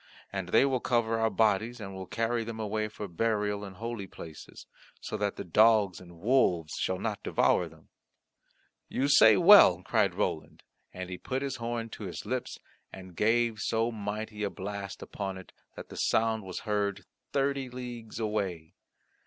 And they will also recover our bodies, and will carry them away for burial in holy places, so that the dogs and wolves shall not devour them." "You say well," cried Roland, and he put his horn to his lips, and gave so mighty a blast upon it, that the sound was heard thirty leagues away.